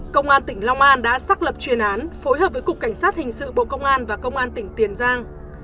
công an tỉnh long an đã xác lập chuyên án phối hợp với cục cảnh sát hình sự bộ công an và công an tỉnh tiền giang